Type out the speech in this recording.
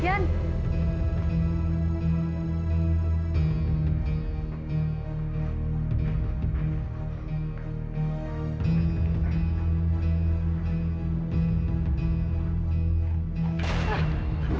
iyan aku lupa aku banyak urusan di kantor